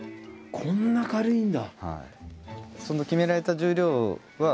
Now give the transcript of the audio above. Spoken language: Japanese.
こんな軽いんだ。